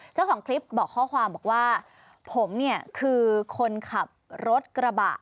เจ้าของคลิปบอกข้อความบอกว่าผมเนี่ยคือคนขับรถกระบะ